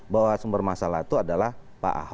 bahwa sumber masalah itu adalah pak ahok